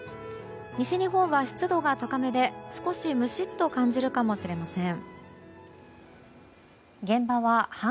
西日本は、湿度が高めで、少しムシッと感じるかもしれません。